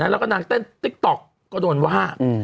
แล้วก็นางเต้นติ๊กต๊อกก็โดนว่า